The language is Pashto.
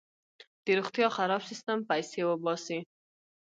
د روغتیا خراب سیستم پیسې وباسي.